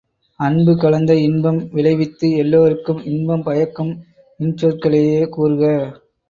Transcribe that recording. அன்பு கலந்த இன்பம் விளைவித்து எல்லாருக்கும் இன்பம் பயக்கும் இன்சொற்களையே கூறுக!